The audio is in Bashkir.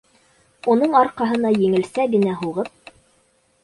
Уның арҡаһына еңелсә генә һуғып: